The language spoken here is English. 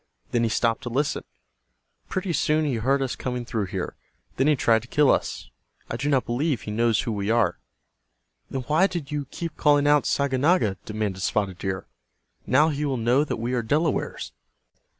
Then he stopped to listen. Pretty soon he heard us coming through there. Then he tried to kill us. I do not believe he knows who we are." "Then why did you keep calling out 'Saganaga'?" demanded Spotted Deer. "Now he will know that we are Delawares."